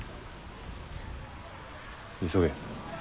急げ。